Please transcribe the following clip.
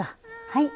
はい。